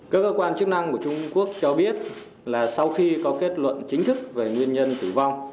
cơ quan chức năng của trung quốc cho biết là sau khi có kết luận chính thức về nguyên nhân tử vong